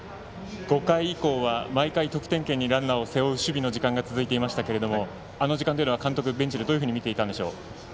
５回以降は毎回得点圏にランナーを背負う守備の時間が続いていましたけどもあの時間というのはベンチでどのように見ていましたか。